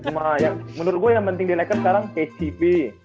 kusma yang menurut gua yang penting di lakers sekarang kcp